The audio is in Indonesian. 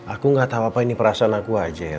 aku gak tahu apa ini perasaan aku aja ya